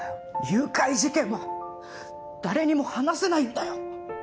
誘拐事件は誰にも話せないんだよ